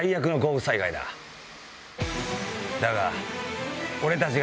だが。